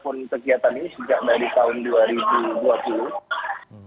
ternyata berdasarkan aktivitasnya ataupun kegiatan ini sejak dari tahun dua ribu dua puluh